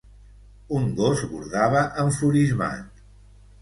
Un gos bordava enfurismat.